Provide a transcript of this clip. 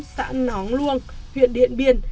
xã nóng luông huyện điện biên